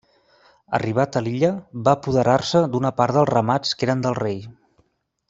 Arribat a l'illa, va apoderar-se d'una part dels ramats que eren del rei.